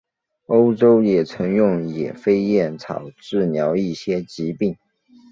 欧洲也曾用野飞燕草治疗一些疾病。